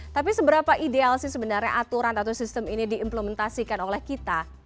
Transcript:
tapi seberapa ideal sih sebenarnya aturan atau sistem ini diimplementasikan oleh kita